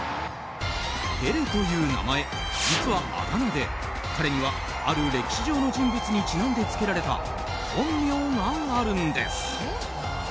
ペレという名前、実はあだ名で彼には、ある歴史上の人物にちなんでつけられた本名があるんです。